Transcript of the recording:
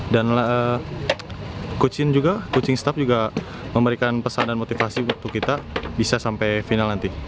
dan coaching staff juga memberikan pesan dan motivasi untuk kita bisa sampai final nanti